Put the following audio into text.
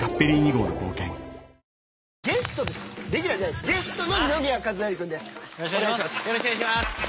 ゲストの二宮和也君です。